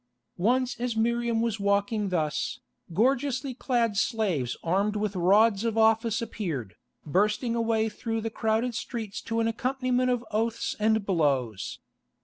Once as Miriam was walking thus, gorgeously clad slaves armed with rods of office appeared, bursting a way through the crowded streets to an accompaniment of oaths and blows.